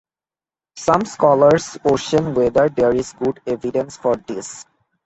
Some scholars question whether there is good evidence for this.